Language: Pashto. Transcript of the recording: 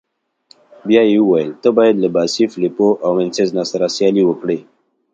بیا يې وویل: ته باید له باسي، فلیپو او وینسزنا سره سیالي وکړې.